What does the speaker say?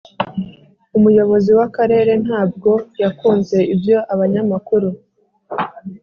umuyobozi w'akarere ntabwo yakunze ibyo abanyamakuru